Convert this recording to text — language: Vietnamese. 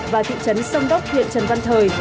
và thị trấn sông đốc huyện trần văn thời